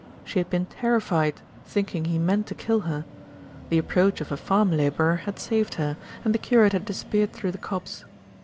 She had been terrified, thinking he meant to kill her. The approach of a farm labourer had saved her, and the curate had disappeared through the copse.